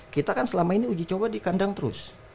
kita kan selama ini uji coba di kandang terus